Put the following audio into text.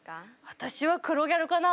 私は黒ギャルかな。